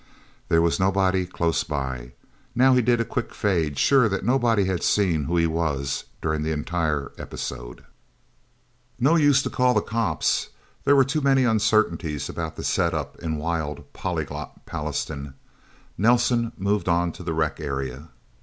There was nobody close by. Now he did a quick fade, sure that nobody had seen who he was, during the entire episode. No use to call the cops there were too many uncertainties about the setup in wild, polyglot Pallastown. Nelsen moved on to the rec area.